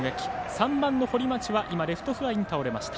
３番の堀町はレフトフライに倒れました。